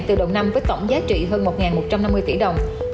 từ đầu năm với tổng giá trị hơn một một trăm năm mươi tỷ đồng